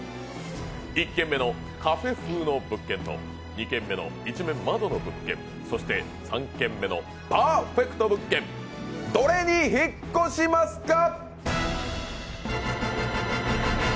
１軒目のカフェ風の物件と２軒目の一面窓の物件、３軒目のパーフェクト物件、どれに引っ越しますか？